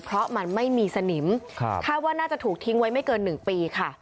เพราะมันไม่มีสนิมคาดว่าน่าจะถูกทิ้งไว้ไม่เกิน๑ปีค่ะ